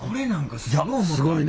すごいね。